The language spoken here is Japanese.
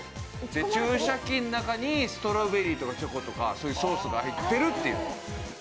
注射器の中にストロベリーとかチョコとかのソースが入っているという。